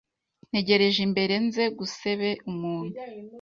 ntegereje imbere nze gusebe umuntu